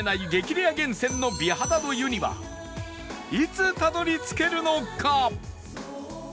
レア源泉の美肌の湯にはいつたどり着けるのか？